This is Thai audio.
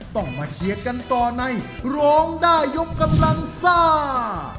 ต้องมาเชียร์กันต่อในร้องได้ยกกำลังซ่า